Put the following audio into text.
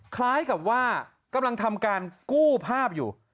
คล้ายกับว่ากำลังทำการกู้ภาพอยู่